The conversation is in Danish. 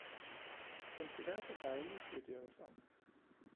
Hun skal være så dejlig, siger de alle sammen!